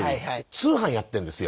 通販やってんですよ。